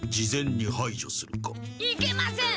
いけません！